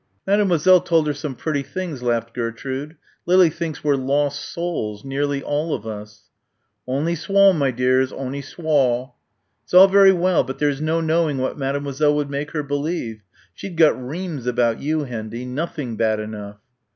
"Mademoiselle told her some pretty things," laughed Gertrude. "Lily thinks we're lost souls nearly all of us." "Onny swaw, my dears, onny swaw." "It's all very well. But there's no knowing what Mademoiselle would make her believe. She'd got reams about you, Hendy nothing bad enough."